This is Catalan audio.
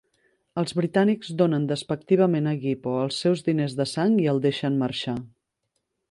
Els britànics donen despectivament a Gypo els seus diners de sang i el deixen marxar.